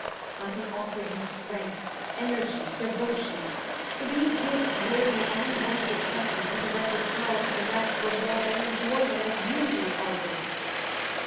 I can offer you strength, energy, devotion three gifts worthy any woman's acceptance who possesses power to direct, reward, and enjoy them as you do, Pauline.